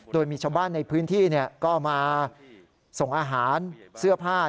โดยมีชาวบ้านในพื้นที่ก็มาส่งอาหารเสื้อผ้า